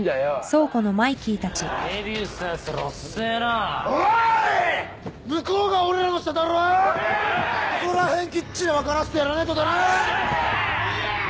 そこらへんきっちり分からせてやらねえとだな！